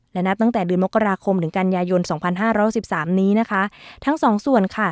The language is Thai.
และนับตั้งแต่เดือนมกราคมถึงกันยายนสองพันห้าร้อยหกสิบสามนี้นะคะทั้งสองส่วนค่ะ